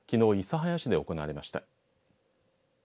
諫早市で行われました。